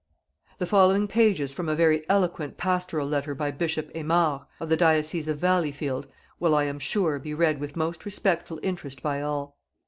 The following pages from a very eloquent Pastoral Letter by Bishop Emard, of the diocese of Valleyfield, will, I am sure, be read with most respectful interest by all.